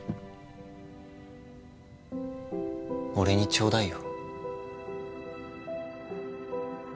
俺にちょうだいよ。